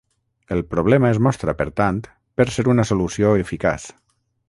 El problema es mostra per tant, per ser una solució eficaç.